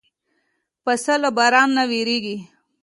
پسه له باران نه وېرېږي.